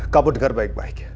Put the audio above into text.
kamu dengar baik baik